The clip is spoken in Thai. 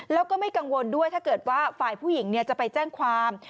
แล้วก็ไม่กังวลด้วยถ้าเกิดว่าฝ่ายผู้หญิงจะไปแจ้งความ